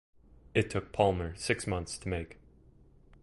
It took Palmer six months to make.